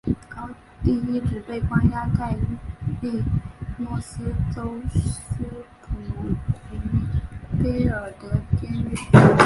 高蒂一直被关押在伊利诺斯州斯普林菲尔德监狱。